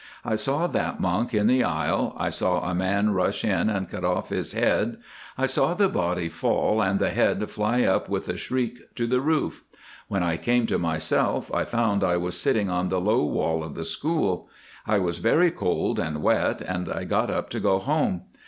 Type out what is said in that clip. I saw that monk in the aisle, I saw a man rush in and cut off his head. I saw the body fall and the head fly up with a shriek to the roof. When I came to myself I found I was sitting on the low wall of the school. I was very cold and wet, and I got up to go home.